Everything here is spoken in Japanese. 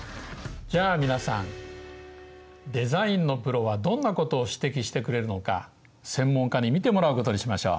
じゃあ皆さんデザインのプロはどんなことを指摘してくれるのか専門家に見てもらうことにしましょう。